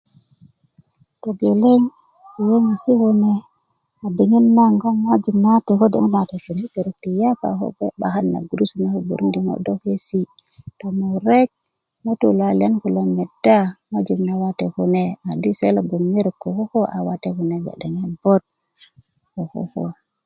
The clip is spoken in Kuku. togeleŋ yöyöŋesi' kune a diŋit naŋ ko ŋojik nawate gboŋ i merok ti yapa kode do 'bakan na gurusu naŋ do gbörundi ŋo' dokesi' tomurek ŋutuu luwaliaan kulo meda di se lo gboŋ ŋerot ko koko a nawate kune gbede 'bot ko koko